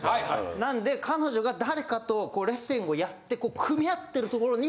なんで彼女が誰かとレスリングをやって組み合ってるところに。